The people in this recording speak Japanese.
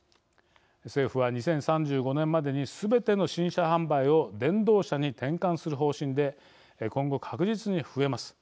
政府は２０３５年までにすべての新車販売を電動車に転換する方針で今後、確実に増えます。